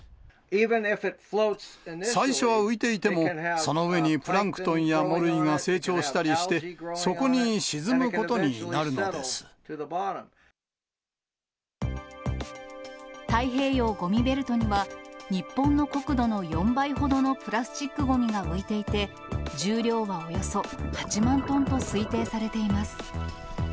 最初は浮いていても、その上にプランクトンや藻類が成長したりして、底に沈むことにな太平洋ごみベルトには、日本の国土の４倍ほどのプラスチックごみが浮いていて、十両はおよそ８万トンと推定されています。